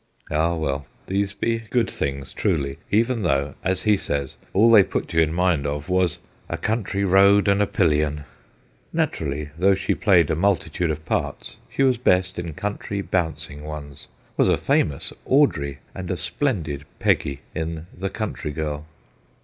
Ah well, these be good things truly, even though, as he says, all they put you in mind of was ' a country road and a pillion.' Naturally, though she played a multitude of parts, she was best in country, bouncing ones was a famous Audrey, and a splendid Peggy in The Country Girl.